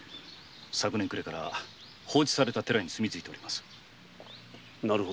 昨年暮れから放置された寺に住みついております。